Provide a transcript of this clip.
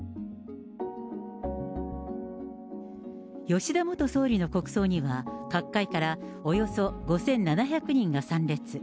吉田元総理の国葬には、各界からおよそ５７００人が参列。